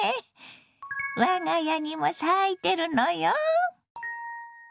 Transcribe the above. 我が家にも咲いてるのよ。